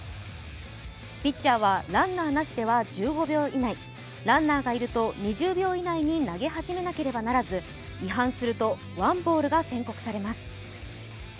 ピッチャーは、ランナーなしでは１５秒以内、ランナーがいると２０秒以内に投げ始めなければならず違反するとワンボールが宣告されます。